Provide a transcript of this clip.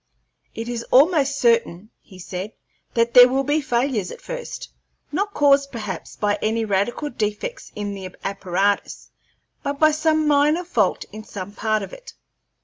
"It is almost certain," he said, "that there will be failures at first, not caused perhaps by any radical defects in the apparatus, but by some minor fault in some part of it.